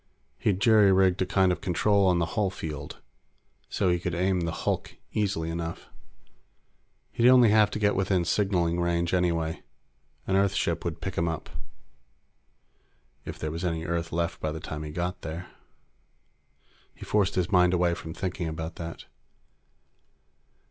He'd jury rigged a kind of control on the hull field, so he could aim the hulk easily enough. He'd only have to get within signaling range, anyway. An Earth ship would pick him up. If there was any Earth left by the time he got there. He forced his mind away from thinking about that.